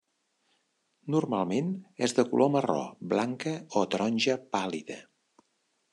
Normalment és de color marró, blanca o taronja pàl·lida.